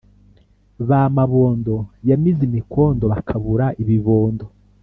Ba mabondo yamize imikondo bokabura ibibondo